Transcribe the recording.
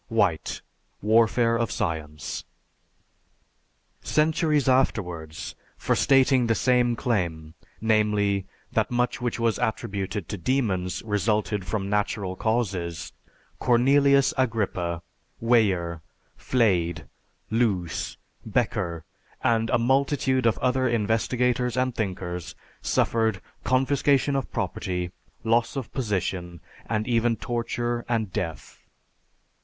(White: "Warfare of Science.") Centuries afterwards, for stating the same claim, namely, that much which was attributed to demons, resulted from natural causes, Cornelius Agrippa, Weyer, Flade, Loos, Bekker, and a multitude of other investigators and thinkers, suffered confiscation of property, loss of position, and even torture and death.